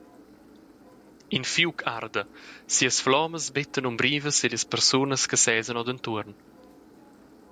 In fiug arda, sias flommas bettan umbrivas sillas persunas che sesan odentuorn.